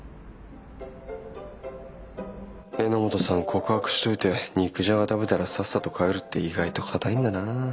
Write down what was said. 告白しといて肉じゃが食べたらさっさと帰るって意外と堅いんだな。